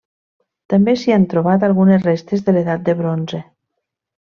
També s'hi han trobat algunes restes de l'Edat del bronze.